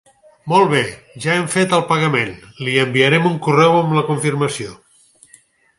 Molt bé, ja hem fet el pagament, li enviarem un correu amb la confirmació.